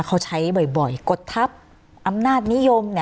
เขาใช้บ่อยกฎทัพอำนาจนิยม